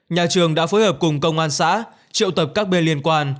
nhà trường đã phối hợp cùng công an xã triệu tập các bên liên quan